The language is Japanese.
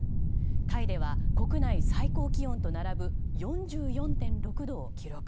タイでは国内最高気温と並ぶ４４．６度を記録。